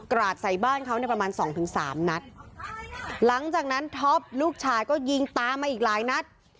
ราดใส่บ้านเขาเนี่ยประมาณสองถึงสามนัดหลังจากนั้นท็อปลูกชายก็ยิงตามมาอีกหลายนัด